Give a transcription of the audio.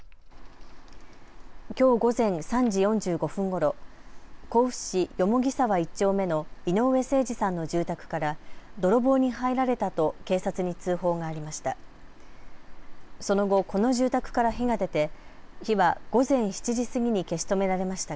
きょう午前３時４５分ごろ、甲府市蓬沢１丁目の井上盛司さんの住宅から泥棒に入られたと警察に通報がありました。